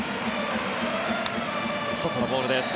外のボールです。